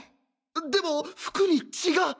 でも服に血が！